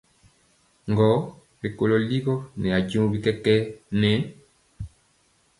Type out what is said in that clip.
Gɔ rikolɔ ligɔ nɛ ajeŋg bi kɛkɛɛ nɛ.